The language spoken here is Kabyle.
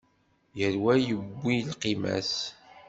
Yal wa yewwi lqima-s.